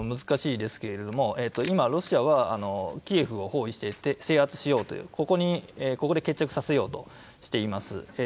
難しいですけれども、今ロシアはキエフを包囲して制圧しようと、ここで決着させようとしています。